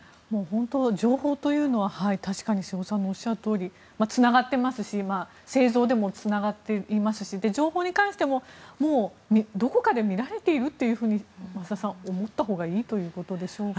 情報というのは確かに瀬尾さんのおっしゃるとおりつながってますし製造でもつながっていますし情報に関してもどこかで見られていると増田さん、思ったほうがいいということでしょうか。